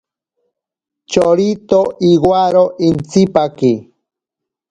Chorito iwaro intsipaki.